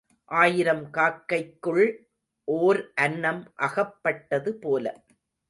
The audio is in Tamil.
ஆயிரம் காக்கைக்குள் ஓர் அன்னம் அகப்பட்டது போல.